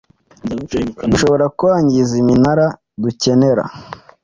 bishobora kwangiza iminara ducyenera